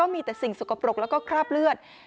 มีแต่สิ่งสุขปรกและกาลาบเลือด